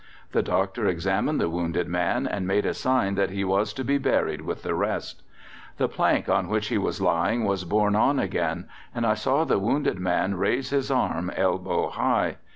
The doctor examined the wounded man and made a sign that he was to be buried with the rest. The plank on which he was lying was borne on again, and I saw the wounded man raise his arm elbow high.